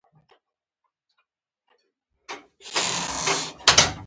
د ظالمانو ګټې په نظر کې نیسو.